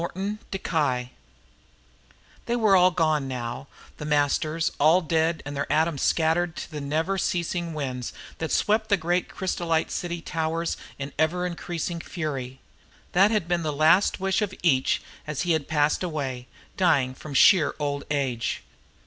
_ "They were all gone now, The Masters, all dead and their atoms scattered to the never ceasing winds that swept the great crysolite city towers in ever increasing fury. That had been the last wish of each as he had passed away, dying from sheer old age.